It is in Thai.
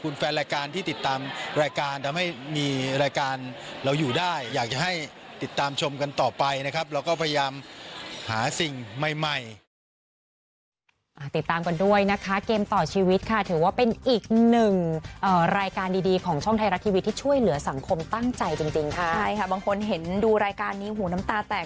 และพยายามหาสิ่งใหม่